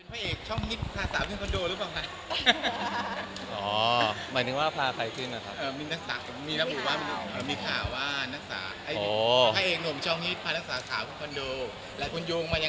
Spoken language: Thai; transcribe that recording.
เป็นผู้เป็นพระเอกช่องฮิตพระองค์แสวกับคอนโดรึเปล่าคะ